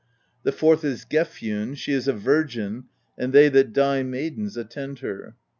The fourth is Gefjun: she is a virgin, and they that die maidens attend her.